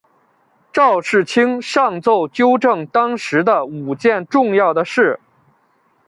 赵世卿上奏纠正当时的五件重要的事。